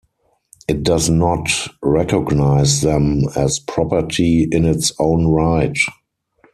It does not recognize them as property in its own right.